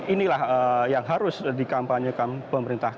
inilah yang harus dikampanyekan pemerintah